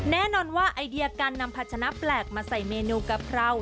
แน่นอนว่าไอเดียการนำผัชนะแปลกมาใส่เมนูกะเพรา